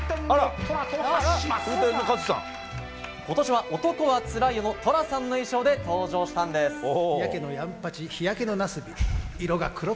今年は「男はつらいよ」の寅さんの衣装で登場したんです。